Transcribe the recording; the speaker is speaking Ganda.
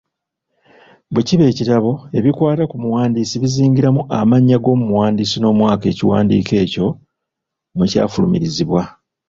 Bwe kiba ekitabo, ebikwata ku muwandiisi bizingiramu; amannya g’omuwandiisi n'omwaka ekiwandiiko ekyo mwe kyafulumirizibwa.